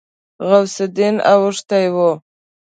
غوث الدين اوښتی و.